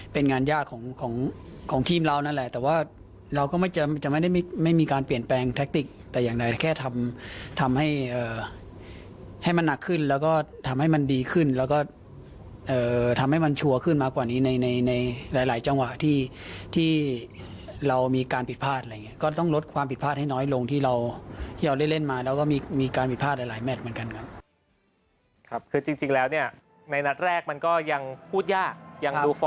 เป็นงานยากของของทีมเรานั่นแหละแต่ว่าเราก็ไม่จะไม่ได้ไม่มีการเปลี่ยนแปลงแท็กติกแต่อย่างใดแค่ทำให้ให้มันหนักขึ้นแล้วก็ทำให้มันดีขึ้นแล้วก็ทำให้มันชัวร์ขึ้นมากว่านี้ในในหลายจังหวะที่ที่เรามีการผิดพลาดอะไรอย่างนี้ก็ต้องลดความผิดพลาดให้น้อยลงที่เราที่เราได้เล่นมาแล้วก็มีการผิดพลาดหลายแมทเหมือนกันครับคือจริงแล้วเนี่ย